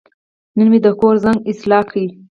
نن مې د کور زنګ اصلاح کړ.